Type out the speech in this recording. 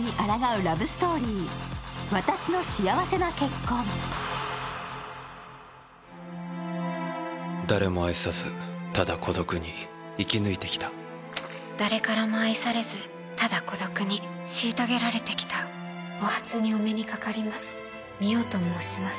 どうぞ誰も愛さずただ孤独に生き抜いてきた誰からも愛されずただ孤独に虐げられてきたお初にお目にかかります美世と申します